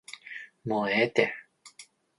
もうええて